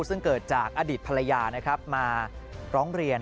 ซึ่งเกิดจากอดีตภรรยานะครับมาร้องเรียน